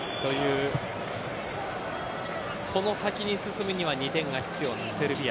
この先に進むには２点が必要なセルビア。